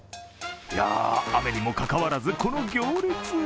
いや、雨にもかかわらずこの行列。